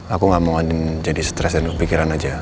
aku gak mau jadi stress dan kepikiran aja